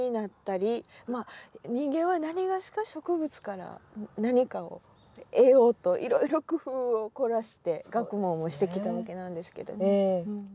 まあ人間は何がしか植物から何かを得ようといろいろ工夫を凝らして学問をしてきたわけなんですけどね。